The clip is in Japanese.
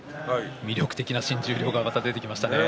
魅力的な新十両がまた出てきましたね。